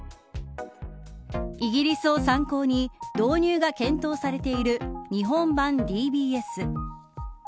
イギリスを参考に導入が検討されている日本版ＤＢＳ。